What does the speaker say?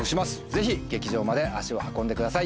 ぜひ劇場まで足を運んでください